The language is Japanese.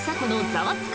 「ザワつく！